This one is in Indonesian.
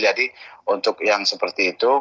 jadi untuk yang seperti itu